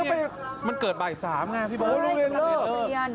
อ๋อนี่มันเกิดบ่ายสามไงพี่เบิ้ลโอ้โฮเรียน